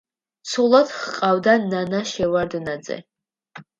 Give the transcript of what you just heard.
ცოლად ჰყავდა ნანა შევარდნაძე.